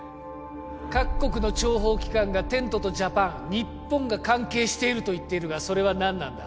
各国の諜報機関がテントとジャパン日本が関係していると言っているがそれは何なんだ？